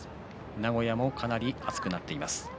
名古屋もかなり暑くなっています。